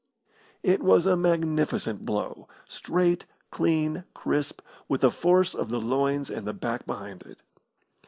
It was a magnificent blow, straight, clean, crisp, with the force of the loins and the back behind it.